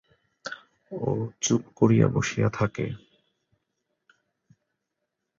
ও চুপ করিয়া বসিয়া থাকে।